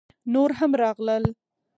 _نور هم راغلل!